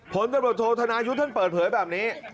ผลตำรวจโทษธนายุทธ์ท่านเปิดเผยแบบนี้